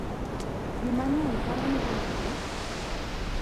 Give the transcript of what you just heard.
Ji mang'eny paro ni ginyalo